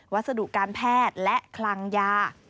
วัสดุการแพทย์และคลังยา